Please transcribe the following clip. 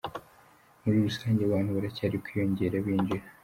Muri rusange abantu baracyari kwiyongera binjira .